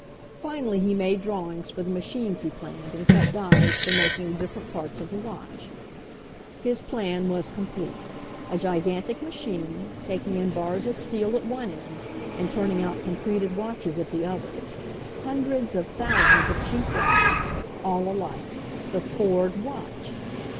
Finally he made drawings for the machines he planned and cut dies for making the different parts of the watch. His plan was complete — a gigantic machine, taking in bars of steel at one end, and turning out completed watches at the other — hundreds of 32 HENRY FORD'S OWN STORY thousands of cheap watches, all alike — the Ford watch